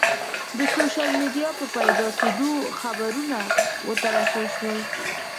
د سوشل میډیا په پیدا کېدو خبرونه وتراشل شول.